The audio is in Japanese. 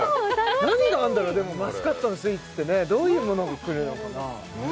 何があるんだろうでもマスカットのスイーツってねどういうものがくるのかな